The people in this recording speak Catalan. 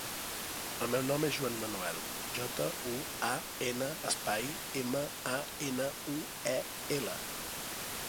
El meu nom és Juan manuel: jota, u, a, ena, espai, ema, a, ena, u, e, ela.